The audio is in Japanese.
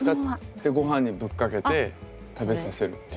で御飯にぶっかけて食べさせるっていう。